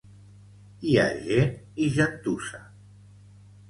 Hi ha gent i gentussa